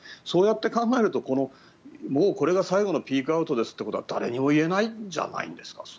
そう考えるともうこれが最後のピークアウトだということは誰にも言えないんじゃないんですか？